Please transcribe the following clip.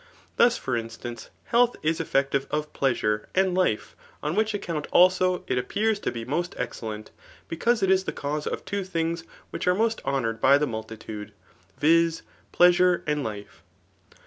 Thus, for instance health, is eflFec« tive of pleasure and life ; on which account, also, it ap^ ^pears to be most excellent, because it is the cause of two things which are most honoured by the multitude, viz. pleasure and life.